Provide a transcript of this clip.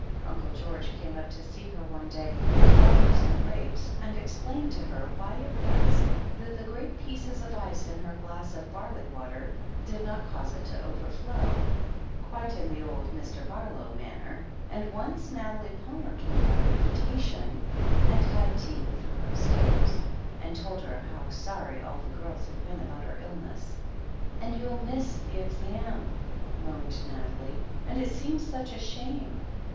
Uncle George came up to see her one day, and brought her some grapes, and explained to her why it was that the great pieces of ice in her glass of barley water did not cause it to overflow, quite in the old Mr. Barlow manner, and once Nathalie Palmer came by invitation and had tea with her upstairs, and told her how sorry all the girls had been about her illness. "And you'll miss the exam," moaned Nathalie, "and it seems such a shame.